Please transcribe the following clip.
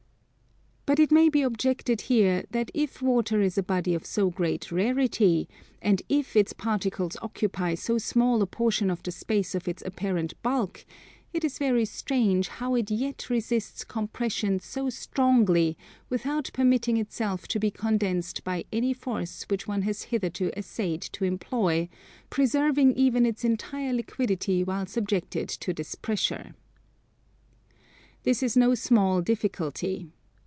But it may be objected here that if water is a body of so great rarity, and if its particles occupy so small a portion of the space of its apparent bulk, it is very strange how it yet resists Compression so strongly without permitting itself to be condensed by any force which one has hitherto essayed to employ, preserving even its entire liquidity while subjected to this pressure. This is no small difficulty.